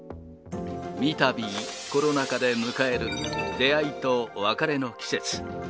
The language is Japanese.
みたびコロナ禍で迎える出会いと別れの季節。